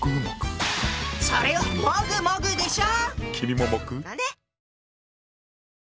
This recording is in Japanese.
それはもぐもぐでしょ！